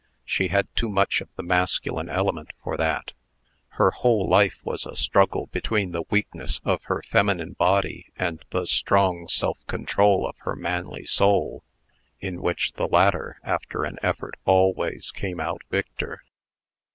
She had too much of the masculine element for that. Her whole life was a struggle between the weakness of her feminine body and the strong self control of her manly soul, in which the latter, after an effort, always came out victor.